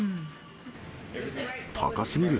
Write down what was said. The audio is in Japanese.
高すぎる。